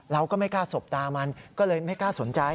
เราก็ไม่กล้าสบตามันก็เลยไม่กล้าสนใจ